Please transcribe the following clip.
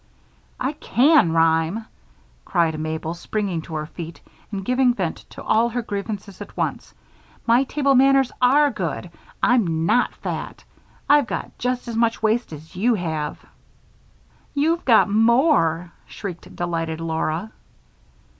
"I can rhyme," cried Mabel, springing to her feet and giving vent to all her grievances at once. "My table manners are good. I'm not fat. I've got just as much waist as you have." "You've got more," shrieked delighted Laura.